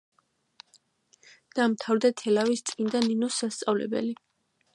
დაამთავრა თელავის წმინდა ნინოს სასწავლებელი.